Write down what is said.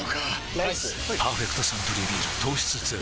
ライス「パーフェクトサントリービール糖質ゼロ」